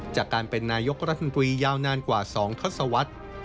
จากการเป็นนายกรัฐมนตรียาวนานกว่า๒ทศวรรษ